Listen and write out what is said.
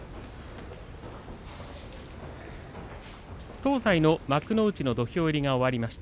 東西の幕内の土俵入りが終わりました。